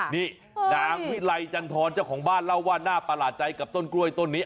นี่นางวิไลจันทรเจ้าของบ้านเล่าว่าน่าประหลาดใจกับต้นกล้วยต้นนี้